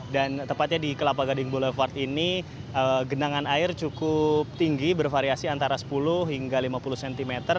dan tepatnya di kelapa gading boulevard ini genangan air cukup tinggi bervariasi antara sepuluh hingga lima puluh cm